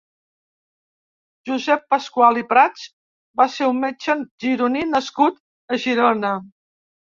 Josep Pascual i Prats va ser un metge gironí nascut a Girona.